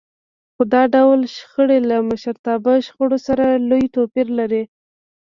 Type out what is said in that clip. خو دا ډول شخړې له مشرتابه شخړو سره لوی توپير لري.